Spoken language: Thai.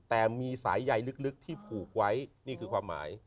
แต่มีสายใยลึกที่ผูกไว้นี่คือความหมาย